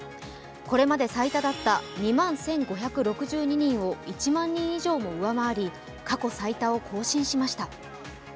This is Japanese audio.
これまで最多だった２万１５６２人を１万人以上も上回り過去最多を更新しました。